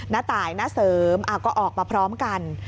ตายณเสริมก็ออกมาพร้อมกัน